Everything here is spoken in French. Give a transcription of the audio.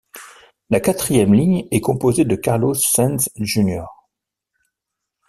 La quatrième ligne est composée de Carlos Sainz Jr.